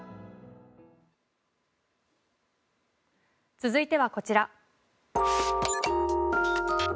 続いてはこちら。